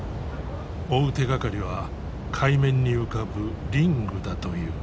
追う手がかりは海面に浮かぶリングだという。